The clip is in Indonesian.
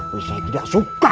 tapi saya tidak suka